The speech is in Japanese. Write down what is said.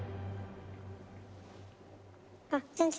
あっ先生。